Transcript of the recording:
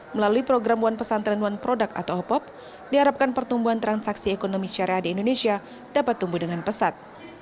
melalui program on pesantren one product atau opop diharapkan pertumbuhan transaksi ekonomi syariah di indonesia dapat tumbuh dengan pesat